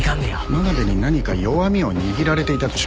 真鍋に何か弱みを握られていたとしましょう。